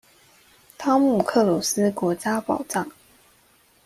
湯姆克魯斯國家寶藏